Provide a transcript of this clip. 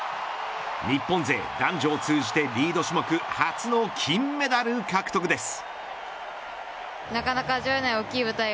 日本勢、男女通じてリード種目初の金メダル獲得です。